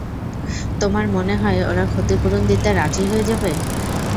তোমার মনে হয় ওরা ক্ষতিপূরণ দিতে রাজি হয়ে যাবে?